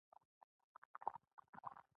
القابات او احترامانه تراکیب کارولي.